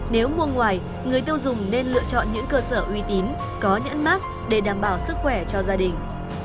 nếu mua ngoài người tiêu dùng nên lựa chọn những cơ sở uy tín có nhãn mát để đảm bảo sức khỏe cho gia đình